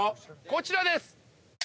こちらです！